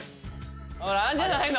ほらあんじゃないの？